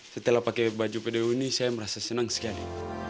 setelah pakai baju pdu ini saya merasa senang sekali